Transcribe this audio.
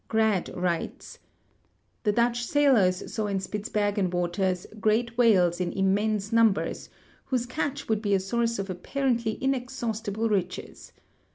Grad writes :" The Dutch sailors saw in Spitzbergen wateTs great whales in immense numbers, whose calch would be a source of apparently inexhaustible riches.